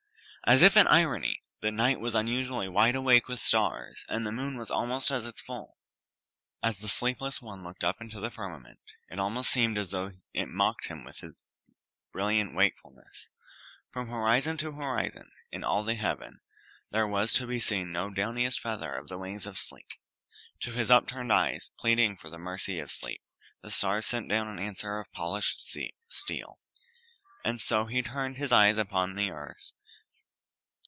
As if in irony, the night was unusually wide awake with stars, and the moon was almost at its full. As the sleepless one looked up into the firmament, it almost seemed as though it mocked him with his brilliant wakefulness. From horizon to horizon, in all the heaven, there was to be seen no downiest feather of the wings of sleep. To his upturned eyes, pleading for the mercy of sleep, the stars sent down an answer of polished steel. And so he turned his eyes again upon the earth.